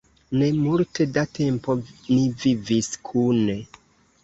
Ne multe da tempo ni vivis kune.